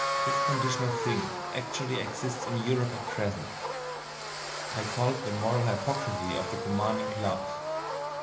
This condition of things actually exists in Europe at present I call it the moral hypocrisy of the commanding class.